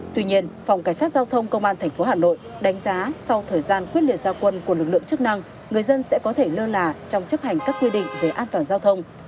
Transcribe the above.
tuy nhiên phòng cảnh sát giao thông công an tp hà nội đánh giá sau thời gian quyết liệt gia quân của lực lượng chức năng người dân sẽ có thể lơ là trong chấp hành các quy định về an toàn giao thông